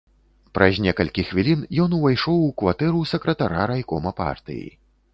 Праз некалькі хвілін ён увайшоў у кватэру сакратара райкома партыі.